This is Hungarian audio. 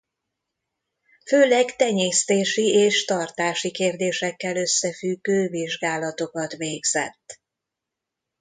Főleg tenyésztési és tartási kérdésekkel összefüggő vizsgálatokat végzett.